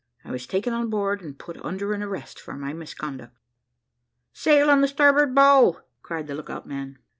I was taken on board, and put under an arrest for my misconduct." "Sail on the starboard bow!" cried the look out man.